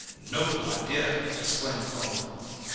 "Noble idea!" exclaimed Wally.